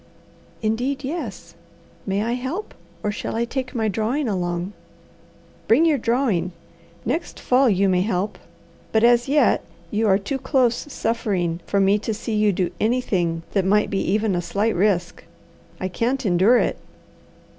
"Indeed yes. May I help, or shall I take my drawing along?" "Bring your drawing. Next fall you may help, but as yet you are too close suffering for me to see you do anything that might be even a slight risk. I can't endure it."